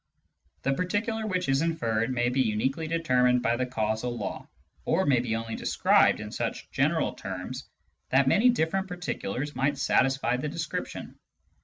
The particular which is inferred may be uniquely determined by the causal law, or may be only described in such general terms that many different particulars might satisfy the description.